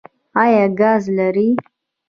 ایا ګاز لرئ؟